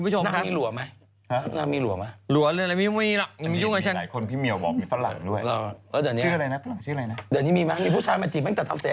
มันจีบตั้งแต่ทำเสียงกรรมมามีผู้ชายหิว